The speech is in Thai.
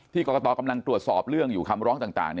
กรกตกำลังตรวจสอบเรื่องอยู่คำร้องต่าง